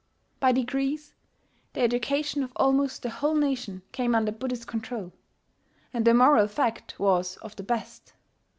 By degrees the education of almost the whole nation came under Buddhist control; and the moral effect was of the best.